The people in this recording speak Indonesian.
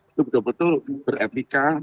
itu betul betul bereplika